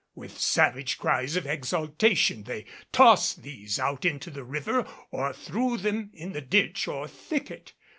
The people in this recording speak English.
With savage cries of exultation they tossed these out into the river or threw them in the ditch or thicket.